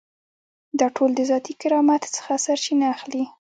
دا ټول د ذاتي کرامت څخه سرچینه اخلي.